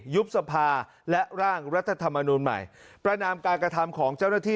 ยุบสภาและร่างรัฐธรรมนูลใหม่ประนามการกระทำของเจ้าหน้าที่